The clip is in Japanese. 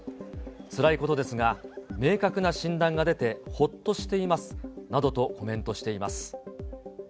つらいことですが、明確な診断が出てほっとしていますなどとコメントしています。